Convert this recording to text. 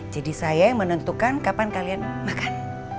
jadi saya yang menentukan kapan kalian makan